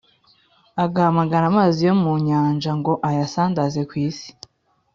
agahamagara amazi yo mu nyanja ngo ayasandaze ku isi;